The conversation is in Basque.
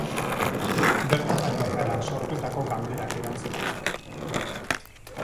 Bertara joan gara sortutako galderak erantzuteko.